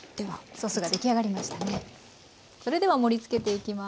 それでは盛りつけていきます。